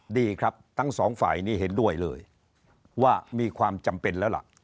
ดีครับทั้งสองฝ่ายนี่เห็นด้วยเลยว่ามีความจำเป็นแล้วล่ะ